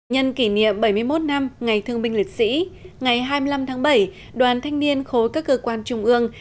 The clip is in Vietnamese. nhân kỷ niệm bảy mươi một năm ngày thương binh liệt sĩ ngày hai mươi năm tháng bảy đoàn thanh niên khối các cơ quan trung ương